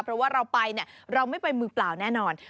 เพราะว่าเราไปเนี่ยเราไม่ไปมือเปล่าแน่นอน